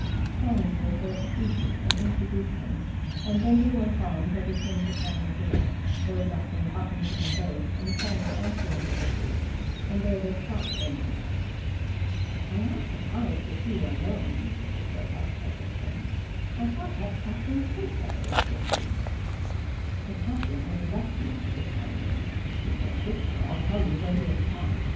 Fanny made her excuses and introduced them, and then they went on till they came to Framley Gate, Lord Lufton talking to them both, and Fanny answering for the two, and there they stopped for a moment. "I am surprised to see you alone," Mrs. Robarts had just said; "I thought that Captain Culpepper was with you." "The captain has left me for this one day. If you'll whisper I'll tell you where he has gone.